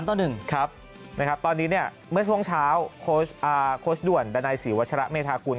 ๓ตอน๑นะครับตอนนี้เนี่ยเมื่อช่วงเช้าโค้ชด่วนดนายสิวัชระเมธากุล